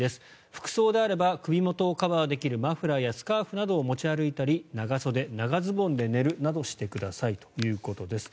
服装であれば首元をカバーできるマフラーやスカーフなどを持ち歩いたり長袖、長ズボンで寝るなどしてくださいということです。